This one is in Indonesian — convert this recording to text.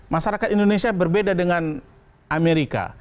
masyarakat indonesia berbeda dengan amerika